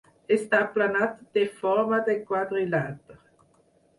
És aplanat i té forma de quadrilàter.